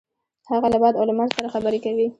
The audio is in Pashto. هغه له باد او لمر سره خبرې کوي.